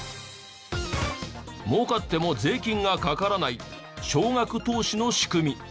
儲かっても税金がかからない少額投資の仕組み。